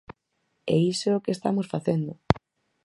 E iso é o que estamos facendo.